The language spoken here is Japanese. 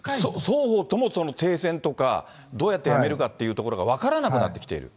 双方とも停戦とか、どうやってやめるかというところが分からなくなってきている。